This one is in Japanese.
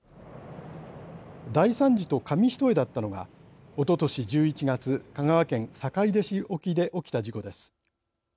大惨事と紙一重だったのがおととし１１月香川県坂出市沖で起きた事故です。